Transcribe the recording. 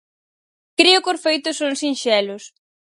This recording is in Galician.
Creo que os feitos son sinxelos.